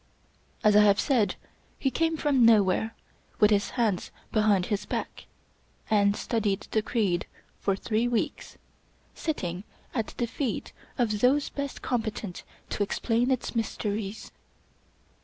As I have said, he came from nowhere, with his hands behind his back, and studied the creed for three weeks; sitting at the feet of those best competent to explain its mysteries.